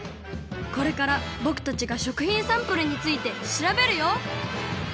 これからぼくたちが食品サンプルについてしらべるよ。